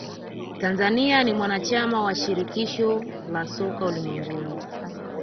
tanzania ni mwanachama wa shirikisho la soka ulimwenguni